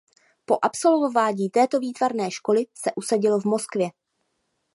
Po absolvování této výtvarné školy se usadil v Moskvě.